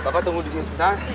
bapak tunggu di sini sebentar